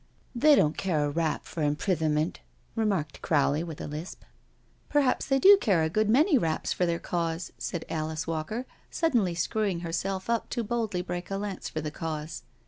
" They don't care a rap for imprisonment," re marked Crowley with a lisp. " Perhaps they do care a good many raps for their Cause," said Alice Walker, suddenly screwing herself up to boldly break a lance for the Cause.